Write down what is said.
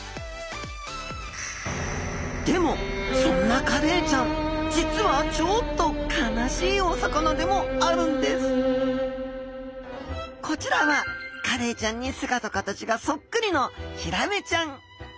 でもそんなカレイちゃん実はちょっと悲しいお魚でもあるんですこちらはカレイちゃんに姿形がそっくりのヒラメちゃん。